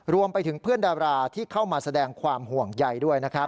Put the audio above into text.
รวมไปถึงเพื่อนดาราที่เข้ามาแสดงความห่วงใยด้วยนะครับ